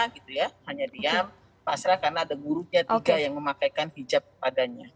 dia diam pasrah karena ada gurunya juga yang memakaikan hijab padanya